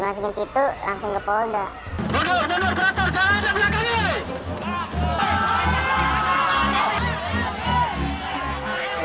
mundur mundur turutur jangan ada belakangnya